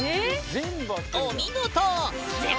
お見事！